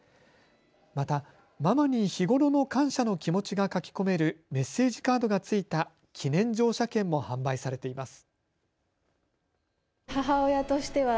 また、ママに日頃の感謝の気持ちが書き込めるメッセージカードが付いた記念乗車券も販売されています。